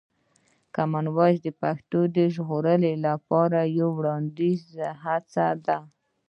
کامن وایس د پښتو د ژغورلو لپاره یوه ټولنیزه هڅه ده.